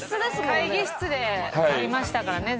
会議室でやりましたからね